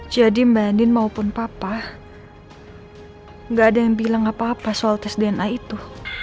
jadi mbak andien maupun papa gak ada yang bilang apa apa soal tes dna itu